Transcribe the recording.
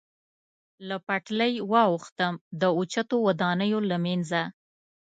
له پټلۍ واوښتم، د اوچتو ودانیو له منځه.